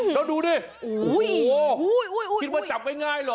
แล้วดูดิโอ้โหคิดว่าจับง่ายเหรอ